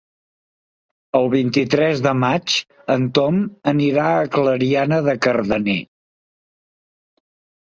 El vint-i-tres de maig en Tom anirà a Clariana de Cardener.